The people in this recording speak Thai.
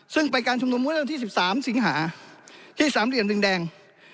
ซึ่งไปการชมนุมมูลที่สิบสามสิงหาที่สามเหลี่ยมดึงแดง